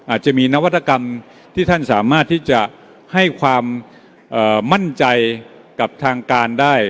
อาจจะมีนวัตกรรมที่ท่านสามารถที่จะให้ความมั่นใจกับทางการได้